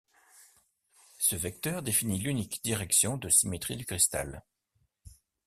Ce vecteur définit l'unique direction de symétrie du cristal.